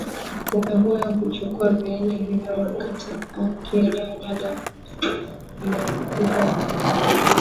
Kupe huyo huchukua viini hivyo wakati akinyonya damu mnyama aliyeambukizwa Viini hivi